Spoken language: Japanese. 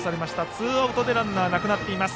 ツーアウトでランナーなくなっています。